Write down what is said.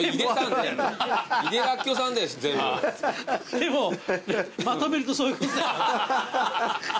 でもまとめるとそういうことだよな。